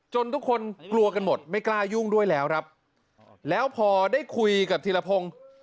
ทุกคนกลัวกันหมดไม่กล้ายุ่งด้วยแล้วครับแล้วพอได้คุยกับธีรพงศ์